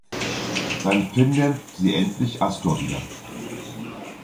Dann findet sie endlich Astor wieder.